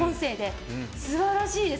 素晴らしいです。